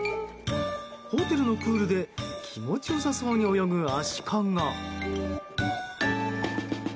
ホテルのプールで気持ち良さそうに泳ぐアシカが。